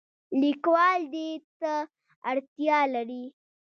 لیکوال دې ته اړتیا لري.